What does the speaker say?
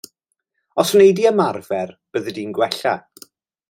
Os wnei di ymarfer, byddi di'n gwella.